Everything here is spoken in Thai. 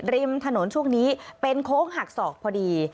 ริมถนนช่วงนี้เป็นโค้งหักศอกพอดี